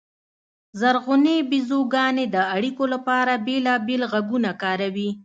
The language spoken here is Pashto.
زرغونې بیزوګانې د اړیکو لپاره بېلابېل غږونه کاروي.